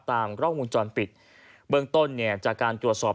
ตามกล้องวงจรปิดเบื้องต้นเนี่ยจากการตรวจสอบ